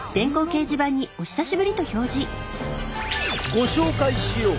ご紹介しよう！